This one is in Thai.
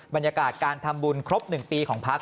บรรยากาศการทำบุญครบ๑ปีของพัก